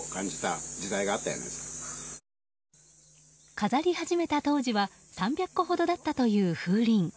飾り始めた当時は３００個ほどだったという風鈴。